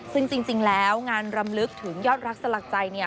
ซึ่งจริงแล้วงานรำลึกถึงยอดรักสลักใจเนี่ย